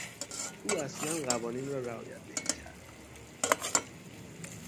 او اصلا قوانین را رعایت نمیکرد.